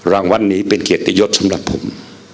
รางวัลนี้เป็นเกียรติยศสำหรับผม